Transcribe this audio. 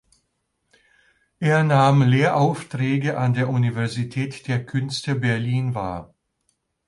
Er nahm Lehraufträge an der Universität der Künste Berlin wahr.